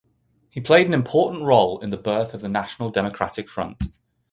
He played an important role in the birth of the National Democratic Front.